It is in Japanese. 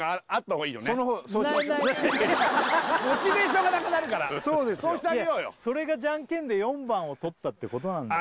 ないないないないないモチベーションがなくなるからそうしてあげようよそれがジャンケンで４番を取ったってことなんだよ